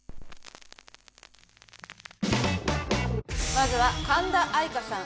まずは神田愛花さん